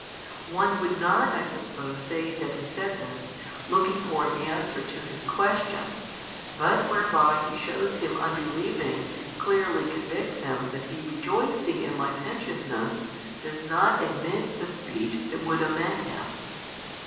One would not I suppose say that he said this, looking for an answer to his question, but whereby he shews him unbelieving clearly convicts him that he rejoicing in licentiousness does not admit the speech that would amend him.